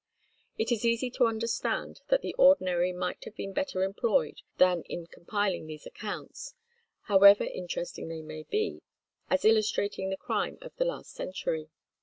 It is easy to understand that the ordinary might have been better employed than in compiling these accounts, however interesting they may be, as illustrating the crime of the last century.